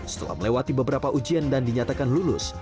setelah melewati beberapa ujian dan dinyatakan lulus